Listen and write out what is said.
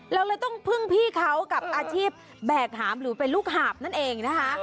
เราเลยต้องพึ่งพี่เขากับอาชีพแบกหามหรือเป็นลูกหาบนั่นเองนะคะ